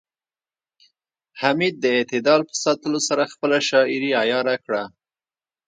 حمید د اعتدال په ساتلو سره خپله شاعرۍ عیاره کړه